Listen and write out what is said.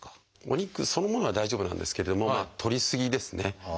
お肉そのものは大丈夫なんですけれどもとり過ぎですね。